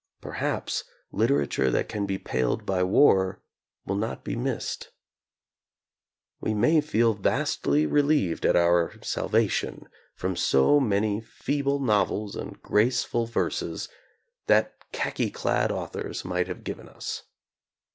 Perhaps literature that can be paled by war will not be missed. We may feel vastly relieved at our salvation from so many feeble novels and graceful verses that khaki clad authors might have given us.